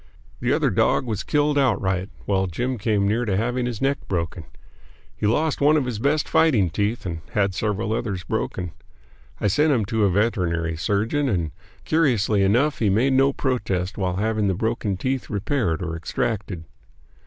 The other dog was killed outright, while Jim came near to having his neck broken. He lost one of his best fighting teeth and had several others broken. I sent him to a veterinary surgeon, and curiously enough he made no protest while having the broken teeth repaired or extracted.